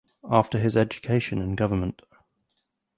After his education in Govt.